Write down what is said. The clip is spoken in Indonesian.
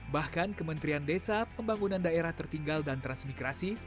bahkan kementerian desa pembangunan daerah tertinggal dan transmigrasi